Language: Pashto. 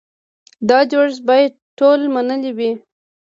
دا جوړښت باید ټول منلی وي.